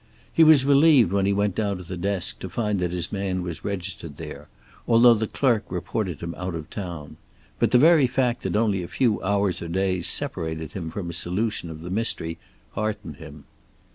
He was relieved when he went down to the desk to find that his man was registered there, although the clerk reported him out of town. But the very fact that only a few hours or days separated him from a solution of the mystery heartened him.